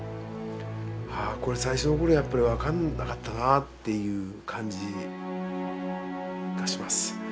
ああこれ最初の頃やっぱり分かんなかったなっていう感じがします。